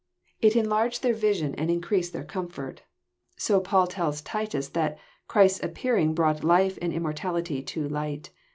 It enlarged their vision and increased their comfort. JOHN, GHAF. X. 193 80 Paul tells Titos tiiat " Cbrist's appearing broagbt life and immortality to light."